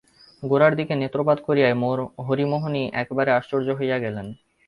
গোরার দিকে নেত্রপাত করিয়াই হরিমোহিনী একেবারে আশ্চর্য হইয়া গেলেন।